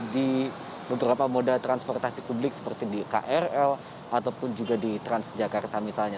di beberapa moda transportasi publik seperti di krl ataupun juga di transjakarta misalnya